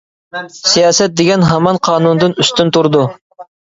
سىياسەت دېگەن ھامان قانۇندىن ئۈستۈن تۇرىدۇ.